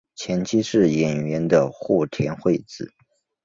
前妻是演员的户田惠子。